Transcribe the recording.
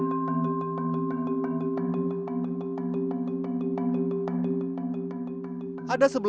masak lagi yuk